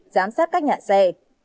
giám sát các nhà xe